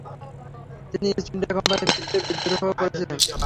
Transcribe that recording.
তিনি East India কোম্পানির বিরুদ্ধে বিদ্রোহ করেছিলেন।